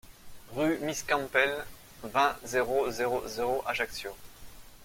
Rue Miss Campbell, vingt, zéro zéro zéro Ajaccio